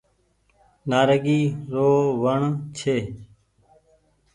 نآريگي رو وڻ ڇي